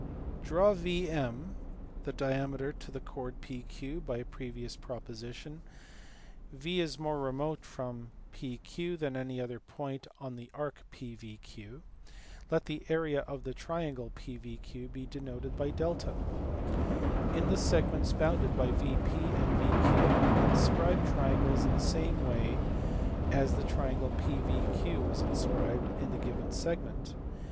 Draw VM the diameter to the chord PQ, then (by a previous proposition), V is more remote from PQ than any other point in the arc PVQ. Let the area of the triangle PVQ be denoted by A. In the segments bounded by VP and VQ inscribe triangles in the same way as the triangle PVQ was inscribed in the given segment.